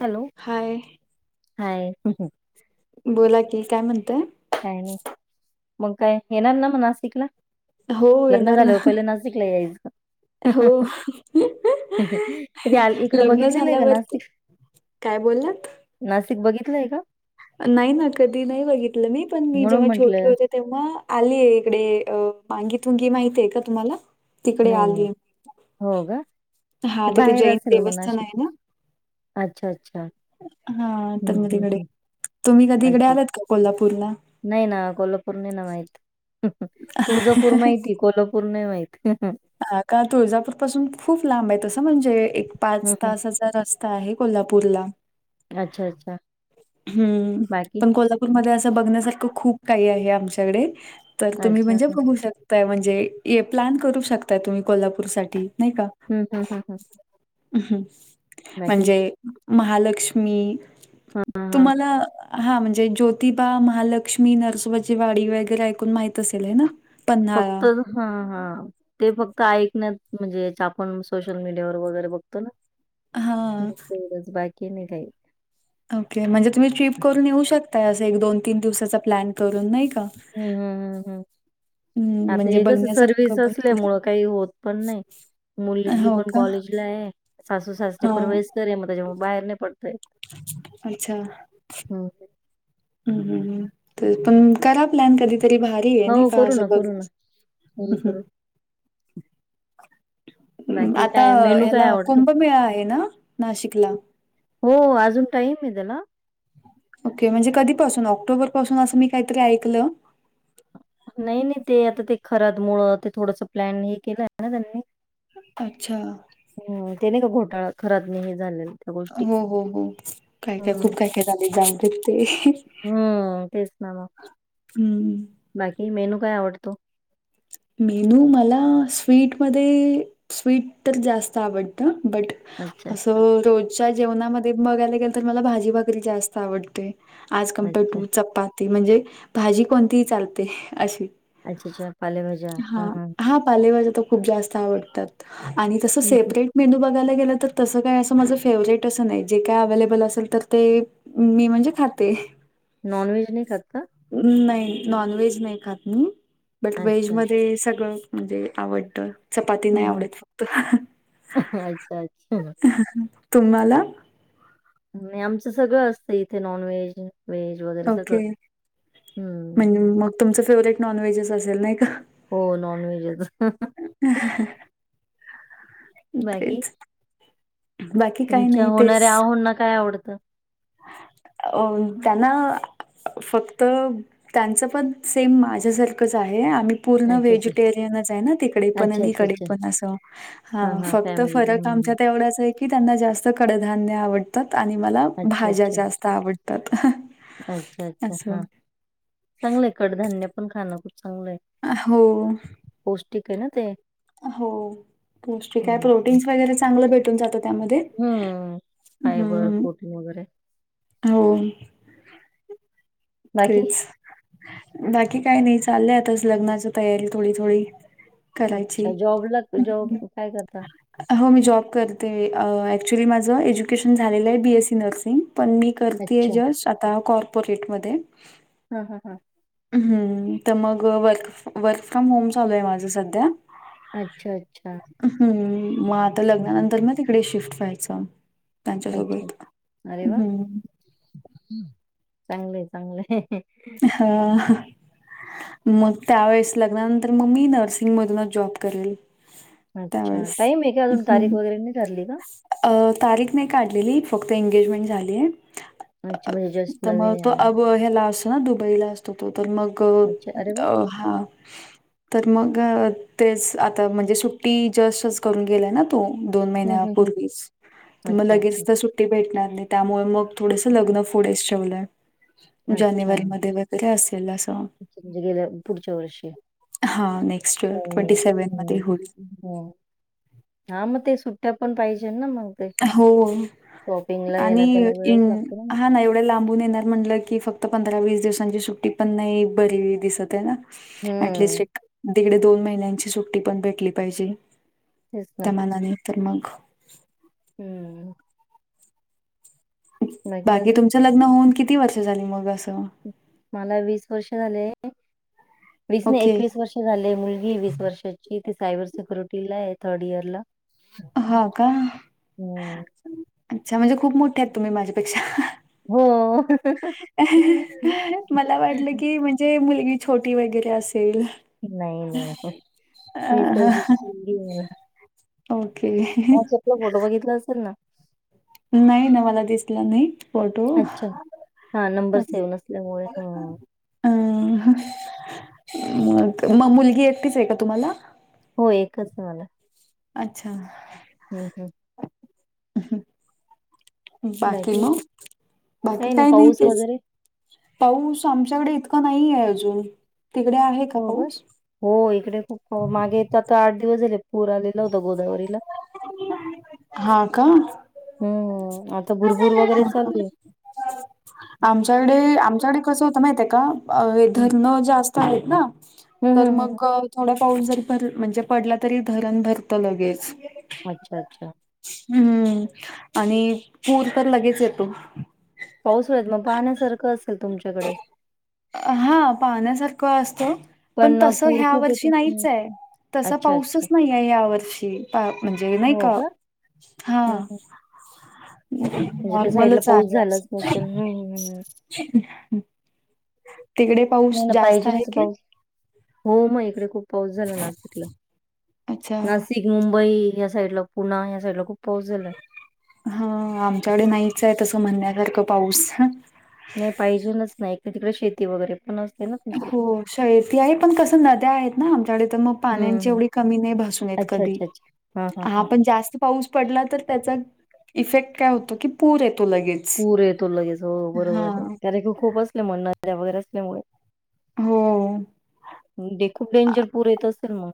Hello hi hi बोला की काय म्हणतय काय नाही मग काय येणार ना म नाशिकला हो लग्न येणार ना झाल्यावर पहिले नाशिकला यायचं हो कधी आ इकडे लग्न बघितलेलं आहे का झाल्यावरती नाशिक काय बोललात नाशिक बघितलंय का नाही ना कधी नाही बघितलं मी पण मी म्हणून जेव्हा छोटे म्हंटलं होते तेव्हा आलीय इकडे अ मांगी तुंगी माहतीय का तुम्हाला तिकडे नाही नाही आलीय हो का हा ते तिथे बाहेर जैन असेल मग देवस्थान नाशिक आहे ना अच्छा अच्छा हा हम्म तर म हम्म तिकडे हम् तुम्ही कधी इकडे अच्छा आलात का कोल्हापूरला नाही ना कोल्हापूर न ना माहित तुळजापूर माहिती कोल्हापूर न माहती हम हं का तुळजापूर पासून खूप लांब आहे तसं म्हणजे एक पाच हम् तासच रस्ता आहे कोल्हापूर ला अच्छा अच्छा हम्म बाकी पण कोल्हापूरमध्ये असं बघण्यासारखं खूप काही आहे आमच्याकडे तर तुम्ही अच्छा म्हणजे हम्म बघू शकताय म्हणजे प्लॅन करू शकताय तुम्ही कोल्हापूर साठी नाही का हम् हम हम हं ् म्हणजे महालक्ष्मी हा हा तुम्हाला हा म्हणजे ज्योतिबा महालक्ष्मी नरसोबाची वाडी वगैरे ऐकून माहित असेल आहे ना पन्हाळा. फक्त हा हा ते फक्त ऐक नाही म्हणजे आपण सोशल मीडियावर वगैरे बघतो ना हां, च बाकी मी काही ओके म्हणजे तुम्ही ट्रिप करून येऊ शकताय असं एक दोन तीन दिवसाचा प्लॅन करून नाही का? हम्म हम् हम्म हम् हं, आता म्हणजे हेस बघण्यासारखं सर्विस असल्या भरपूर मुळ काही होत पण नाही आहे. मुलगी हो पण का? कॉलेजला आहे सासू सासरी पण हां, वस करे मग त्याच्यामु बाहेर नाही पडतय होम ह तर पण करा प्लॅन कधीतरी बाहेर हो करू ना करू ना कर आता ह्याला आवडतो? कुंभमेळा आहे ना नाशिकला हो अजून टाईम आहे त्याला ओके म्हणजे कधीपासून ऑक्टोबर पासून असं मी काहीतरी ऐकलं नाही नाही ते आता ते खरात मुळ ते थोडंस प्लॅन हे केलं आहे ना त्यांनी अच्छा ह ते नाही का घोटाळा खरच नाही हे झालेला हो हो हो काय काय खूप काय काय झाले जामते ते हम्म तेच ना मग हम्म. बाकी मेनू काय आवडतो? मेनू मला स्वीटमध्ये? स्वीट तर जास्त आवडतं. बट- अच्छा असं रोजच्या जेवणामध्ये बघायला गेलं तर मला भाजी भाकरी जास्त आवडते. आज अच्छा कमपेटू चपाती म्हणजे भाजी कोणतीही चालते अशी अच्छ अच्छा. पालेभाजी - हा. हा पालेभाज्या तर खूप जास्त आवडतात. आणि तसं हम्म. सेपरेट- मेनू बघायला गेलं तर, तसं काय असं माझं फेवरेट असं नाही. जे काय अव्हेलेबल असेल तर ते- मी म्हणजे खाते. नॉनव्हेज नाही खात का? नाही. नॉन व्हेज नाही खात मी. बट अच्छा अच्छा व्हेजमध्ये सगळं म्हणजे आवडत. चपाती नाही हम्म, हम्म. आवडत फक्त. अच्छा अच्छा तुम्हाला? आमचं सगळं असतं इथे. Non veg. व्हेज. वगैरे सगळं ओके. हम्म म्हणजे मग तुमच फेवरेट नॉन व्हेजच असेल नाही का? हो. नॉनव्हेजच. हम ह ह. बाकी? बाकी काही तुमच्या नाही तेच होणाऱ्या अहोंना काय आवडतं? अ. त्यांना- फक्त त्यांचं पण सेम माझ्यासारखंच आहे. आम्ही- पूर्ण अच्छा अच्छा व्हेजिटेरियनच आहे ना? तिकडे पण अच्छा आणि अच्छा इकडे अच्छा पण असं. हा. फक्त फरक आमच्यात एवढाच आहे की, त्यांना जास्त कडधान्य आवडतात. आणि मला- अच्छा भाज्या अच्छा जास्त आवडतात अस. चांगलंय कडधान्य पण खाणं खूप चांगलंय. अ हो. पौष्टिक आहे ना ते? हो. पौष्टिक आहे. हम्म प्रोटीन्स वगैरे चांगलं भेटून जातं त्यामध्ये. हम्म. फायबर प्रोटीन वगैरे. होय. बाकी? तेच. बाकी काय नाही. चाललं आताच लग्नाची तयारी थोडी थोडी. अच्छा. करायची जॉब ला हं. जॉब काय करता? हो मी जॉब करते. ऍक्च्युली माझं एज्युकेशन झालेलं आहे बी एस सी नर्सिंग पण मी- करतीये अच्छा. जॉब आता कारपोरेट मधे. हा हा हा. हम्म. तर मग वर्क, वर्क फ्रॉम होम चालू आहे माझं सध्या. अच्छा. अच्छा. हम्म. मग आता हं. लग्नानंतर ना तिकडे शिफ्ट व्हायचं. त्यांच्यासोबत. हम्म. चांगलंय. चांगलंय. हा. मग त्यावेेळेस, लग्नानंतर मग मी नर्सिंग मधूनच जॉब करेन. अच्छा. टाईम आहे का? अजून तारीख हं. वगैरे नाही ठरली का? अ तारीख नाही काढलेली. फक्त एंगेजमेंट झाली आहे. अ अच्छा, म्हणजे जस्ट नवीन त्यामुळे आहे तो अजून. आबू ह्याला असतो. हां. दुबईला असतो तो तर मग, अच्छा, अरे वाह! हा. तर मग तेच आता. म्हणजे सुट्टी जस्- करून गेला तो दोन हं, हं, हं. महिन्यापूर्वीच. म अच्छा, लगेच अच्छा. तर सुट्टी - ट्टी भेटणार नाही. त्यामुळे मग थोडस हं, हं. लग्न पुढच ठेवलंय. अच्छा. [unintelligible] असेल अस. अच्छा, म्हणजे गेल्या पुढच्या वर्षी. हा नेक्स्ट इयर ट्वेंटी सेव्हन मध्ये होईल. हो हा मग ते सुट्ट्या पण पाहिजे ना मग ते हो शॉपिंगला आणि याला त्याला इन वेळच लागतो मग. हा ना एवढ्या लांबून येणार म्हणलं की फक्त पंधरा वीस दिवसांची सुटी पण नाही बरी दिसत आहे न हं. ॲटलीस्ट एक एक दीड दोन महिन्यांची सुट्टी पण भेटली पाहिजे तेच ना. त्या मनाने तर मग हम्म. बाकी तुमचं लग्न होऊन किती वर्ष झाली मग असं? मला वीस वर्ष झाले वीस नाही ओके एकवीस वर्ष झाले. मुलगी हाय वीस वर्षाची ती सायबर सिक्युरिटीला आहे थर्ड इयर ला. हा का? अच्छा म्हणजे खूप मोठे आहेत तुम्ही माझ्यापेक्षा. हो. मला वाटलं की म्हणजे मुलगी छोटी वगैरे असेल नाही नाही, वीस अ, वर्षाची मुलगी आहे मला. ओके. ह्याचातला फोटो बघितला असेल ना नाही ना मला दिसला नाही फोटो. अच्छा हा नंबर सेम नसल्यामुळे हा अम मग मग मुलगी एकटीच आहे का तुम्हाला? हो एकच आहे मला. अच्छा. हम्म हम्म. बाकी मग? बाकी काही काय नाही पाऊस तेच. वगैरे पाऊस आमच्याकडे इतकां नाही आहे अजून. तिकडे आहे का पाऊस? हो इकडे खूप मागे आता आठ दिवस झालेत पूर आला होता गोदावरीला ह् हम्म आता भुरभुर वगैरे चालू आहे. आमच्याकडे आमच्याकडे कसं होतं माहित आहे का अह धरणं जास्त आहेत ना हं, तर हं, हं, मग हं. थोडा पाऊस जरी भर म्हणजे पडला तरी धरण भरतं लगेच अच्छा अच्छा. हम्म आणि पूर तर लगेच येतो. पाऊस होेत मग पाहण्यासारखं असेल तुमच्याकडे. हा पाहण्यासारखं असतो पण अ, तसं पूर ह्या खूप वर्षी येतो नाहीच म्हणून आहे. तसा अच्छा, अच्छा. पाऊसच नाहीये या वर्षी म्हणजे नाही का. हा. हं, हं. म्हणजे त्या साईडला नॉर्मलच पाऊस आहे. झालाच नसेल. हं, हं, हं, हं. तिकडे पाऊस नाही ना जास्त आहे पाहिजेनाच की पाऊस हो मग इकडे खूप पाऊस झाला नाशिकला. अच्छा नाशिक मुंबई या साईड ला पुणा या साईड ला खूप पाऊस झाल हा आमच्याकडे नाहीच आहे तसं म्हणण्यासारखं पाऊस नाही पाहिजेलच नाही इकडे तिकडे शेती वगैरे पण असते ना. तुमच्याकडे. हो शयती आहे पण कसं नद्या आहेत ना आमच्याकडे तर मग हं, पाण्याची हं. एवढी कमी नाही भासून येत अच्छा, कधी. अच्छा, अच्छा. हां, हां, हा हां. पण जास्त पाऊस पडला तर त्याचा इफेक्ट काय होतो की पूर येतो लगेच पुर येतो लगेच हो बरोबर हा आहे, कारण की खूप असले म्हण नद्या वगैरे असल्यामुळे हो. म्हणजे खूप डेंजर पूर येत असेल मग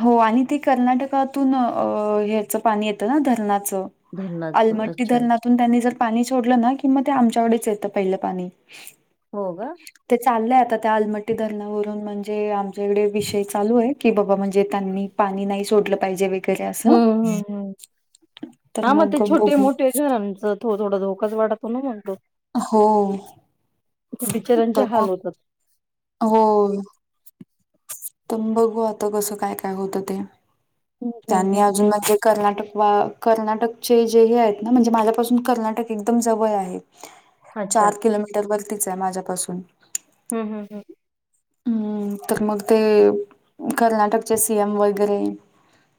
हो आणि ते कर्नाटकातून ह्याचं पाणी येतं ना धरणाचं धरणाचं आलमट्टी अच्छा अच्छा धरणातून त्यांनी जर [unintelligible] पाणी सोडलं ना कि मग ते आमच्याकडेच येतं पहिलं पाणी हो का [unintelligible] ते चाललंय आता त्या आलमट्टी धरणावरून म्हणजे आमच्याकडे विषय चालू आहे की बाबा म्हणजे ते त्यांनी पाणी नाही सोडलं पाहिजे [unintelligible] तरी हम्म स हम्म हम्म तर मग बघू आमच [unintelligible] तो थोडा धोकाच वाटतो ना म्हगतो [unintelligible] हो [unintelligible] त बिचार्यांचे तर हाल मग होतात [unintelligible] हो [unintelligible] बघू आता कसं काय काय होतं ते हम्म हम्म त्यांनी हम्म अजून मा कर्नाटक वा कर्नाटकचे जे हे आहेत ना म्हणजे माझ्यापासून कर्नाटक एकदम जवळ आहेत [inaudible] [unintelligible] चार अच्छा किलोमीटर वरतीच आहे माझ्यापासून [unintelligible] हम हम हं [unintelligible] हम्म तर मग ते कर्नाटकचे सीएम वगैरे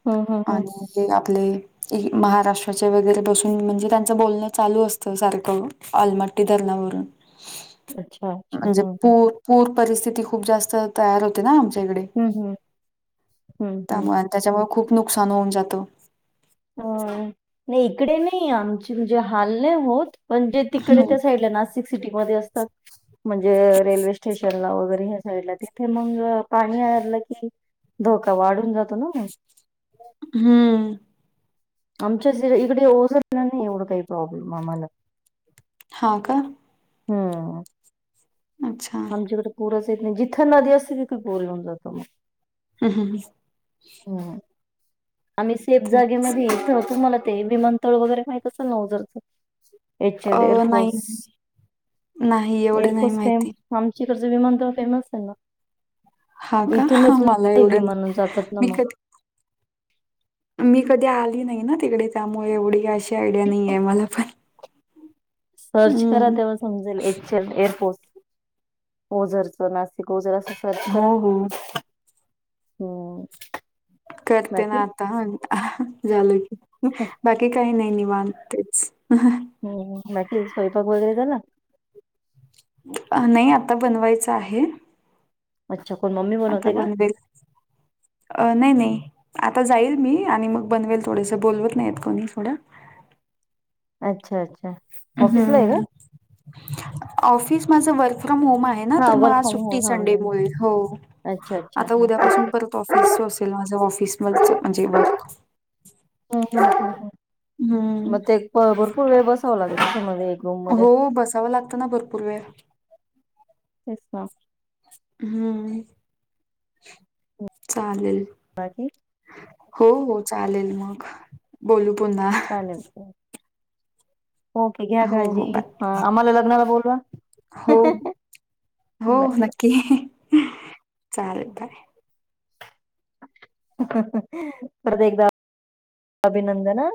हम्म हम्म हम्म हम्म. आणि हे आपले महाराष्ट्राचे वगैरे बसून म्हणजे त्यांचं बोलणं चालू असतं सारखं [unintelligible] आलमट्टी धरणावरून [unintelligible] [inaudible] [unintelligible] अच्छा म्हणजे हम्म पूर पूर परिस्थिती खूप जास्त तयार होते ना आमच्या इकडे हम्म हम्म हम्म हम्म त्यामुळे [unintelligible] आणि त्याच्यामुळे खूप नुकसान होऊन जातो [unintelligible] अ नाही इकडे नाही आमची म्हणजे हाल नाही होत म्हणजे तिकडे हम्म त्या साईडला नाशिक सिटीमध्ये असतात म्हणजे रेल्वे स्टेशन ला वगैरे ह साईडला तिथे मग पाणीलं की धोका वाढून जातो ना [unintelligible] हम्म [unintelligible] आमच्या ज इकडे ओसर नाही एवढं काही प्रॉब्लेम आम्हाला हा का [unintelligible] हम [unintelligible] अच्छा आमच्याकडे पूरच येत नाही जिथं नदी असते तिथं पूर येऊन जातो मग हम हमम [unintelligible] ह आम्ही सेफ ते जागेमध्ये येतो होतो मला ते विमानतळ वगैरे माहित असेल ना ओझर च [unintelligible] एच अ एल नाही एअरफोर्स नाही एवढे नाही एअरफोर्स प माहिती आमकडचं विमान थ फेमस आहे ना हा [unintelligible] का इथूनच मला एवढं नाही. विमान जातात ना मी मग कधी मी कधी आली नाही ना तिकडे त्यामुळे एवढी काय अशी आयडिया नाही आहे मला पण सर्च करा हम्म तेव्हा समजेल एकचल एअरफोर्स [unintelligible] ओझरच नासिक ओझर असं सर्च हो करा हो हो [unintelligible] करते ना आता झालं की [unintelligible] नक [unintelligible] बाकी काही नाही निवांत तेच [unintelligible] ह् बाकी स्वयंपाक वगैरे झाला [unintelligible] नाही आता बनवायचं आहे [unintelligible] अच्छा कोण मम्मी आता बनवते बंद बे [unintelligible] [unintelligible] अ नाही नाही आता जाईल मी आणि मग बनवेल थोडसं बोलवत नाही कोणी थोडं अच्छा अच्छा [unintelligible] आहे का हम्म ऑफिस माझ वर्क फ्रम होम आहे. हा तर मग वर्क आज फ्रॉम सुट्टी होम हा संडे घरी. मुळे हो अच्छा अच्छा आता हा उद्यापासून परत इच असेल माझ ऑफिस चा म्हणजे वर्क ह हम्म मग ते भरपूर वेळ बसाव लागे त्याच्या म हो बसावं लागतं ना भरपूर वेळ तेस हम्म चालेल. बाज हो हो चालेल मग बोलू पुन्हा चालेलल ओके घ्या हो हो काळजी बाय ह आम्हाला लग्नाला बोलवा. हो हो बाय बाय नक्की चालेल बाय. परत एकदा अभिनंदन.